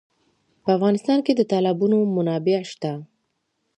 په افغانستان کې د تالابونه منابع شته.